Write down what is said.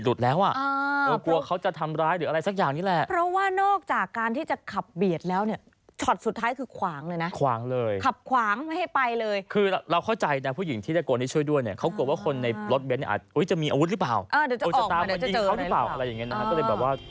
มุ่งหน้ารัชดาพิเศษสภาคกรุงเทพธรรม๓มุ่งหน้ารัชดาพิเศษสภาคกรุงเทพธรรม๓มุ่งหน้ารัชดาพิเศษสภาคกรุงเทพธรรม๓มุ่งหน้ารัชดาพิเศษสภาคกรุงเทพธรรม๓มุ่งหน้ารัชดาพิเศษสภาคกรุงเทพธรรม๓มุ่งหน้ารัชดาพิเศษสภาคกรุงเทพธรรม๓มุ่งหน